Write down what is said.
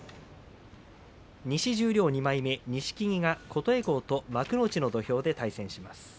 西十両２枚目、錦木が琴恵光と幕内の土俵で対戦します。